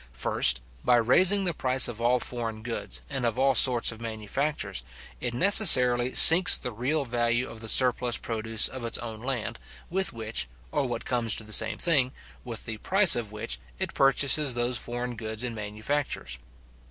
First, by raising the price of all foreign goods, and of all sorts of manufactures, it necessarily sinks the real value of the surplus produce of its own land, with which, or, what comes to the same thing, with the price of which, it purchases those foreign goods and manufactures.